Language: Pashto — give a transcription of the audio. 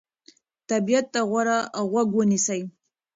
طبیعت ته غوږ ونیسئ.